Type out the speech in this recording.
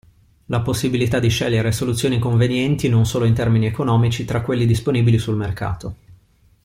La possibilità di scegliere soluzioni convenienti non solo in termini economici tra quelli disponibili sul mercato.